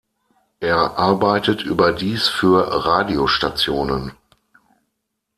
Er arbeitet überdies für Radiostationen.